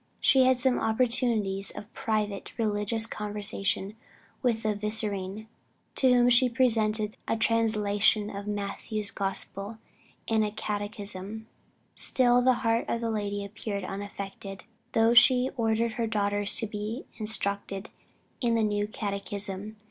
She had some opportunities of private religious conversation with the Vicereine, to whom she presented a translation of Matthew's Gospel and a catechism. Still the heart of the lady appeared unaffected, though she ordered her daughters to be instructed in the new catechism.